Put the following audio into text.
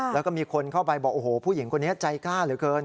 แล้วก็มีคนเข้าไปบอกโอ้โหผู้หญิงคนนี้ใจกล้าเหลือเกิน